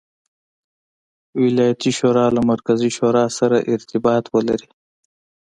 ولایتي شورا له مرکزي شورا سره ارتباط ولري.